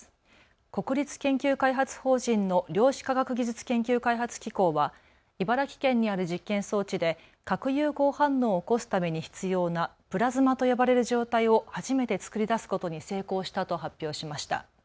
国立研究開発法人の量子科学技術研究開発機構は茨城県にある実験装置で核融合反応を起こすために必要なプラズマと呼ばれる状態を初めて作り出すことに成功したと発表しました。